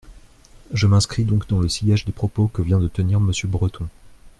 Je m’inscris donc dans le sillage des propos que vient de tenir Monsieur Breton.